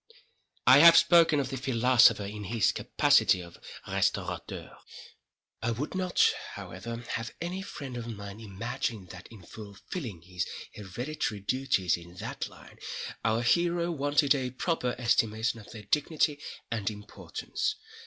I have spoken of the philosopher in his capacity of restaurateur. I would not, however, have any friend of mine imagine that, in fulfilling his hereditary duties in that line, our hero wanted a proper estimation of their dignity and importance.